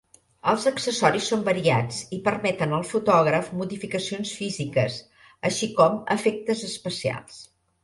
Els accessoris són variats i permeten al fotògraf modificacions físiques, així com efectes especials.